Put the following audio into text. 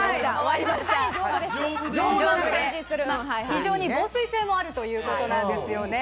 非常に防水性もあるということなんですよね。